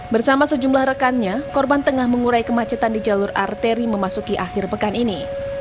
bersama sejumlah rekannya korban tengah mengurai kemacetan di jalur arteri memasuki akhir pekan ini